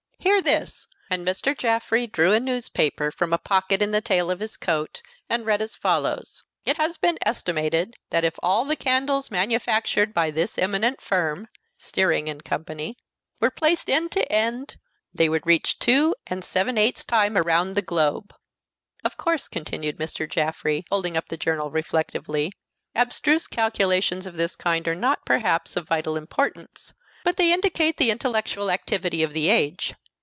Hear this!" and Mr. Jaffrey drew a newspaper from a pocket in the tail of his coat, and read as follows: "It has been estimated that if all the candles manufactured by this eminent firm (Stearine & Co.)_ were placed end to end, they would reach 2 and 7 8 times around the globe_. Of course," continued Mr. Jaffrey, folding up the journal reflectively, "abstruse calculations of this kind are not, perhaps, of vital importance, but they indicate the intellectual activity of the age.